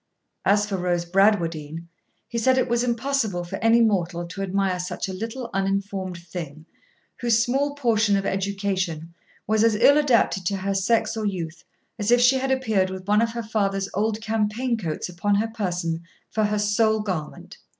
As for Rose Bradwardine, he said it was impossible for any mortal to admire such a little uninformed thing, whose small portion of education was as ill adapted to her sex or youth as if she had appeared with one of her father's old campaign coats upon her person for her sole garment.